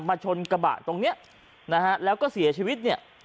ชนกระบะตรงเนี้ยนะฮะแล้วก็เสียชีวิตเนี่ย